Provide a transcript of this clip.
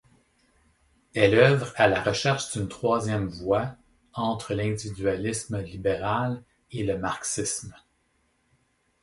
Elle œuvre à la recherche d'une troisième voie entre l'individualisme libéral et le marxisme.